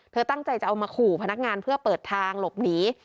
ตั้งใจจะเอามาขู่พนักงานเพื่อเปิดทางหลบหนี